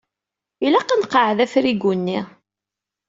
Ilaq ad nqeɛɛed afrigu-nni.